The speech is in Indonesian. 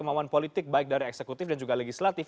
kemauan politik baik dari eksekutif dan juga legislatif